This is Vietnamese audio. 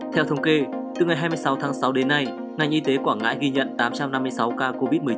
theo thông kê từ ngày hai mươi sáu tháng sáu đến nay ngành y tế quảng ngãi ghi nhận tám trăm năm mươi sáu ca covid một mươi chín